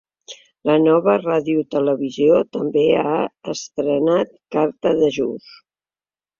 La nova radiotelevisió també ha estrenat carta d’ajust.